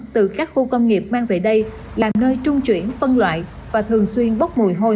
từ các khu công nghiệp mang về đây làm nơi trung chuyển phân loại và thường xuyên bốc mùi hôi